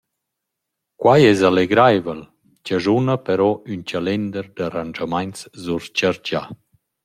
Quai es allegraivel, chaschuna però ün chalender d’arrandschamaints surchargià.